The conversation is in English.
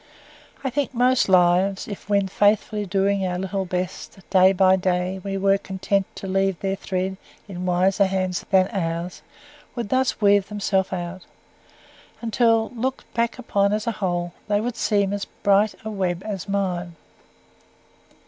I think most lives, if, while faithfully doing our little best, day by day, we were content to leave their thread in wiser hands than ours, would thus weave themselves out; until, looked back upon as a whole, they would seem as bright a web as mine."